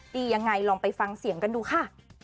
ดียังไงลองไปฟังเสียงกันดูค่ะ